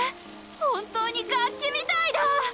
本当に楽器みたいだ！